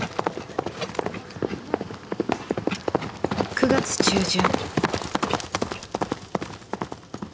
９月中旬。